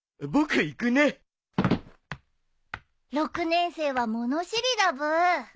６年生は物知りだブー。